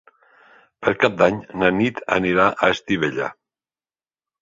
Per Cap d'Any na Nit anirà a Estivella.